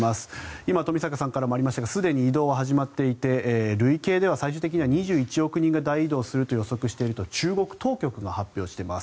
今、冨坂さんからもありましたがすでに移動は始まっていて累計では最終的には２１億人が大移動すると予測していると中国当局が発表しています。